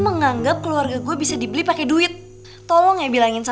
mungkin sekarang kamu susah untuk bilang iya